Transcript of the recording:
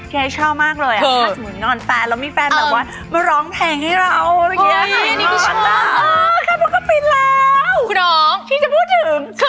ค่ะหรือมีอีกวิธีนึง